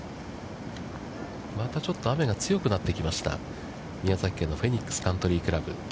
またちょっと雨が強くなってきました宮崎県のフェニックスカントリークラブ。